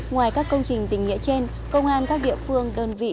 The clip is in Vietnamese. ngoài các công trình tình nghĩa trên công an các địa phương đơn vị